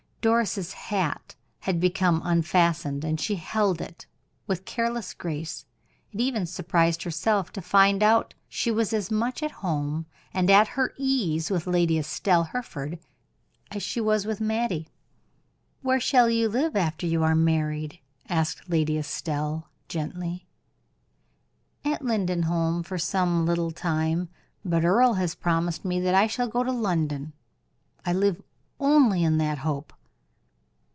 Doris' hat had become unfastened, and she held it with careless grace. It even surprised herself to find she was as much at home and at her ease with Lady Estelle Hereford as she was with Mattie. "Where shall you live after you married?" asked Lady Estelle, gently. "At Lindenholm for some little time: but Earle has promised me that I shall go to London. I live only in that hope."